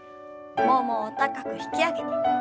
ももを高く引き上げて。